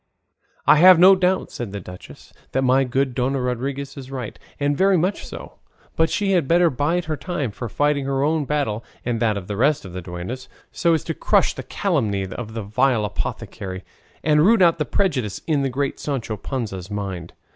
"I have no doubt," said the duchess, "that my good Dona Rodriguez is right, and very much so; but she had better bide her time for fighting her own battle and that of the rest of the duennas, so as to crush the calumny of that vile apothecary, and root out the prejudice in the great Sancho Panza's mind."